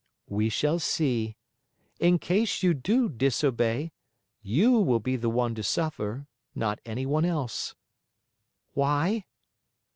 "We shall see. In case you do disobey, you will be the one to suffer, not anyone else." "Why?"